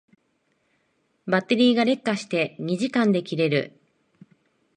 バッテリーが劣化して二時間で切れる